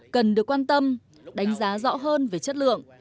cần được quan tâm đánh giá rõ hơn về chất lượng